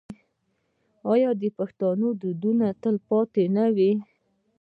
آیا د پښتنو دودونه به تل پاتې نه وي؟